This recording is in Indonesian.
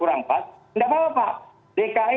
enggak apa apa pak dki